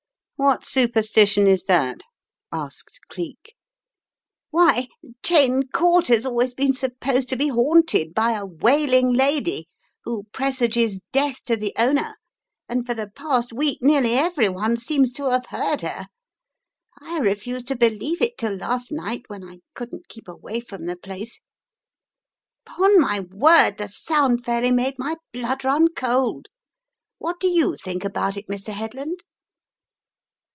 "What superstition is that?" asked Cleek. "Why, Cheyne Court has always been supposed The House with the Shuttered Windows 105 to be haunted by a wailing lady who presages death to the owner, and for the past week nearly everyone seems to have heard her. I refused to believe it till last night, when I couldn't keep away from the place. Ton my word, the sound fairly made my blood run cold. What do you think about it, Mr. Headland?